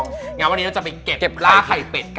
งั้นวันนี้เราจะไปเก็บล่าไข่เป็ดกัน